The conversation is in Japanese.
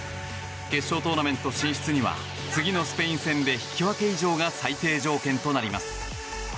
決勝トーナメント進出には次のスペイン戦で引き分け以上が最低条件となります。